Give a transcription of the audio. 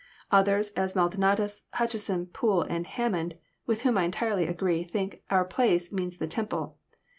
* Others, as Maldonatus, Hutcheson, Poole, and Hammond, with whom I entirely agree, think our place" means the temple.